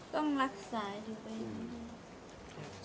ต้องรักษาอยู่ไป